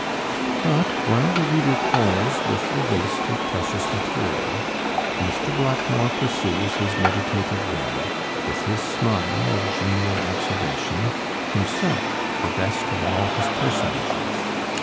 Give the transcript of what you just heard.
But while the reader quarrels with a waste of precious material, Mr. Blackmore pursues his meditative way, with his smile of genial observation, himself the best of all his personages.